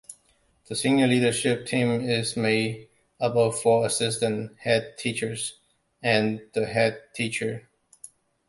The Senior Leadership Team is made up of four assistant headteachers and the headteacher.